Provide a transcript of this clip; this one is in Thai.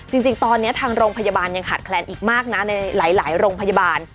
จริงตอนนี้ทางโรงพยาบาลยังขาดแคลนอีกมากนะในหลายโรงพยาบาล